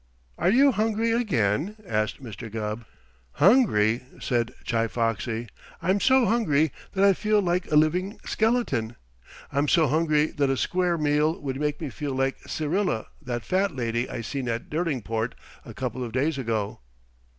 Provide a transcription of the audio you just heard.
"Are you hungry again?" asked Mr. Gubb. "Hungry?" said Chi Foxy. "I'm so hungry that I feel like a living skeleton. I'm so hungry that a square meal would make me feel like Syrilla, that Fat Lady I seen at Derlingport a couple of days ago."